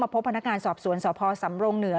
พบพนักงานสอบสวนสพสำรงเหนือ